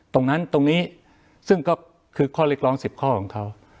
ตรงนั้นตรงนี้ซึ่งก็คือข้อเล็กร้อง๑๐ข้อของเขา